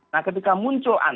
nah ketika muncul anies